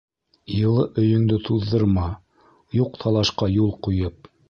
Йылы өйөңдө туҙҙырма, юҡ талашҡа юл ҡуйып.